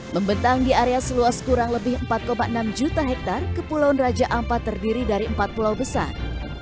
membetang di area seluas kurang lebih empat enam juta hektare kepulauan raja ampat terdiri dari empat pulau besar